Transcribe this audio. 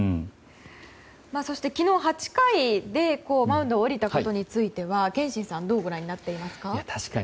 そして昨日８回でマウンドを降りたことについては憲伸さんどうご覧になっていますか？